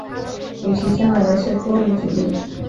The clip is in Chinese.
与其相反的是多语主义。